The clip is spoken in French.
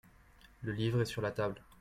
Le livre est sur la table.